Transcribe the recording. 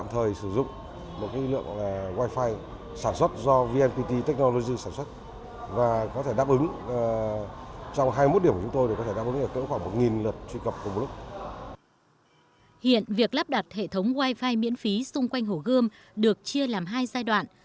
hiện việc lắp đặt hệ thống wifi miễn phí xung quanh hồ gươm được chia làm hai giai đoạn